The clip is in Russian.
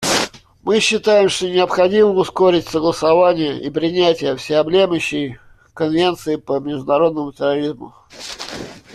Мы считаем, что необходимо ускорить согласование и принятие всеобъемлющей конвенции по международному терроризму.